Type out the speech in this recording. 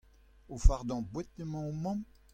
O fardañ boued emañ ho mamm ?